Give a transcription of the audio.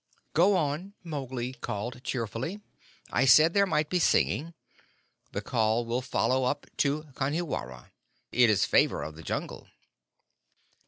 "Go on," Mowgli called cheerfully. "I said there might be singing. The call will follow up to Kanhiwara. It is Favor of the Jungle."